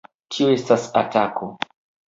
Tio estas atako!